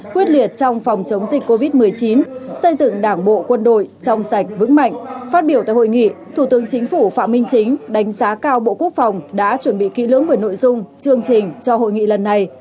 quyết liệt trong phòng chống dịch covid một mươi chín xây dựng đảng bộ quân đội trong sạch vững mạnh phát biểu tại hội nghị thủ tướng chính phủ phạm minh chính đánh giá cao bộ quốc phòng đã chuẩn bị kỹ lưỡng về nội dung chương trình cho hội nghị lần này